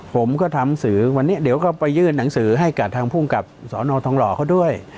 ผมก็ทำสื่อวันนี้เดี๋ยวก็ไปยื่นหนังสือให้กับทางภูมิกับสอนอทองหล่อเขาด้วย